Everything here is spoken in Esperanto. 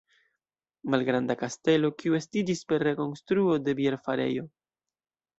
Malgranda kastelo, kiu estiĝis per rekonstruo de bierfarejo.